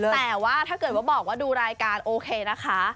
แต่ว่าถ้าเกิดว่าบอกว่าดูรายการโอเคนะคะ